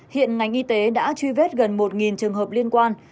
hiện ngành y tế đã truy vết gần một trường hợp liên quan